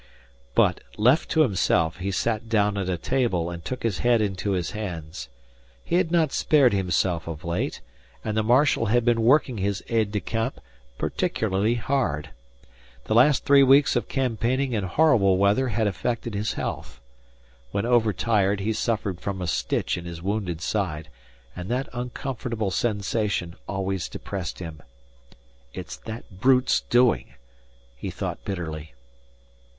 But, left to himself, he sat down at a table and took his head into his hands. He had not spared himself of late, and the marshal had been working his aides de camp particularly hard. The last three weeks of campaigning in horrible weather had affected his health. When overtired he suffered from a stitch in his wounded side, and that uncomfortable sensation always depressed him. "It's that brute's doing," he thought bitterly.